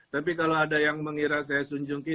tapi kalau ada yang mengira saya sung jong ki